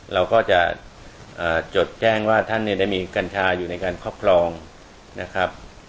เราก็จะจดแจ้งว่าท่านเนี่ยได้มีกัญชาอยู่ในการครอบครองนะครับ